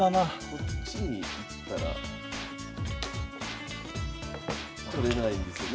こっちにいったら取れないですよね。